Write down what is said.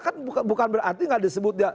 kan bukan berarti nggak disebut